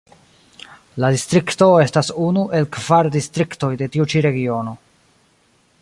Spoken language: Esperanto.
La distrikto estas unu el kvar distriktoj de tiu ĉi Regiono.